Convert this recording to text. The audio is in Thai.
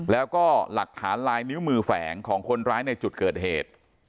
แล้วก็หลักฐานลายนิ้วมือแฝงของคนร้ายในจุดเกิดเหตุ